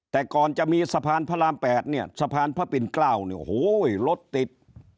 แต่ก่อนจะมีสะพานพระราม๘สะพานพระปินเกล้าโหรถติด